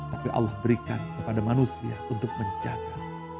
tapi allah berikan kepada manusia untuk menjaga